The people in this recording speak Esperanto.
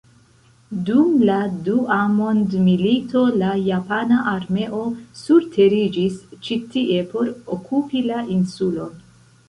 Dum la Dua Mondmilito la japana armeo surteriĝis ĉi tie por okupi la insulon.